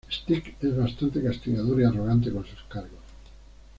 Stick es bastante castigador y arrogante con sus cargos.